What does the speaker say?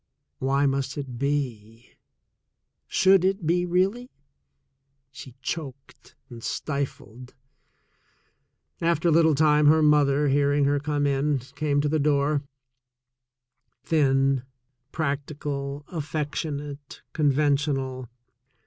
Why must it be? Should it be, really? She choked and stifled. After a little time her mother, hearing her come in, came to the door — thin, practical, affectionate, conventional.